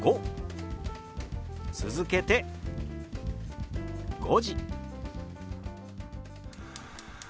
続けて「５時」。